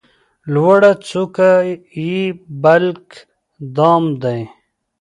لوړه څوکه یې بلک دام ده.